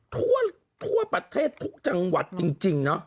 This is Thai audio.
ทั่วประเทศทุกจังหวัดจริงเนอะ